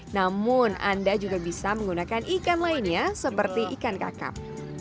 namun anda juga bisa menggunakan ikan lainnya seperti ikan kakap